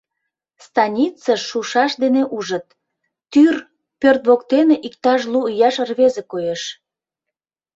Станицыш шушаш дене ужыт: тӱр пӧрт воктене иктаж лу ияш рвезе коеш.